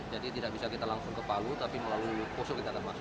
jadi tidak bisa kita langsung ke palu tapi melalui poso kita akan masuk